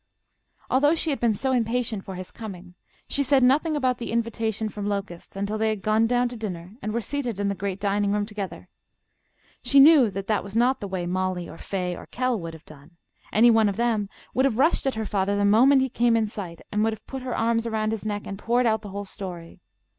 Although she had been so impatient for his coming, she said nothing about the invitation from Locust until they had gone down to dinner and were seated in the great dining room together. She knew that that was not the way Mollie or Fay or Kell would have done. Any one of them would have rushed at her father the moment he came in sight, and would have put her arms around his neck and poured out the whole story.